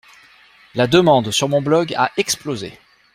La demande sur mon blog a explosé.